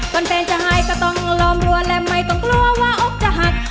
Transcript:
แฟนจะหายก็ต้องรอมรวนและไม่ต้องกลัวว่าอกจะหัก